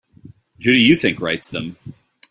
Who do you think writes them?